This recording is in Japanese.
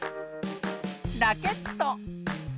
ラケット。